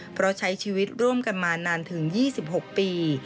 เพราะใช้ชีวิตร่วมกันมานานถึง๒๖ปี